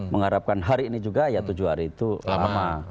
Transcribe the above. mengharapkan hari ini juga ya tujuh hari itu lama